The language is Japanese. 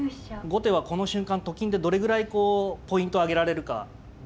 後手はこの瞬間と金でどれぐらいこうポイントあげられるかです。